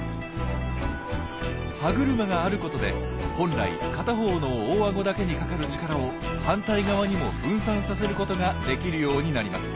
歯車があることで本来片方の大あごだけにかかる力を反対側にも分散させることができるようになります。